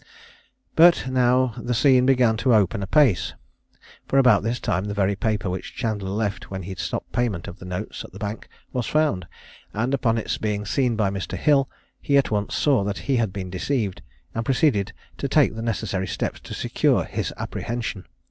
But now the scene began to open apace; for about this time the very paper which Chandler left when he stopped payment of the notes at the bank, was found; and upon its being seen by Mr. Hill, he at once saw that he had been deceived, and proceeded to take the necessary steps to secure his apprehension.